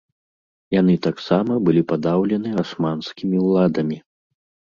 Яны таксама былі падаўлены асманскімі ўладамі.